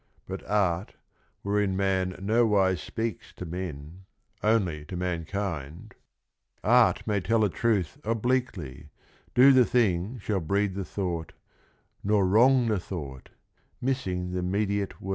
But Art, — wherein man nowise speaks to men, Only to mankind, — Art may tell a truth Obliquely, do the thing shall breed the thought, Nor wrong the thought, missing the mediate word.